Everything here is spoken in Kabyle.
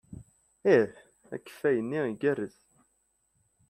Ih, akeffay-nni igerrez.